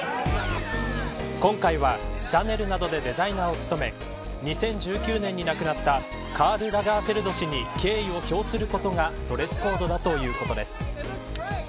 今回はシャネルなどでデザイナーを務め２０１９年に亡くなったカール・ラガーフェルド氏に敬意を表することがドレスコードだということです。